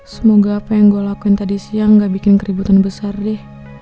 semoga apa yang gue lakuin tadi siang gak bikin keributan besar deh